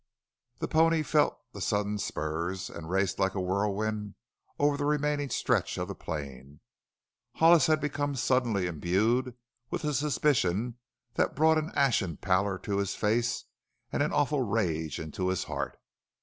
The pony felt the sudden spurs and raced like a whirlwind over the remaining stretch of plain. Hollis had become suddenly imbued with a suspicion that brought an ashen pallor to his face and an awful rage into his heart.